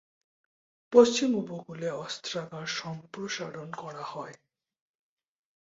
পশ্চিম উপকূলে অস্ত্রাগার সম্প্রসারণ করা হয়।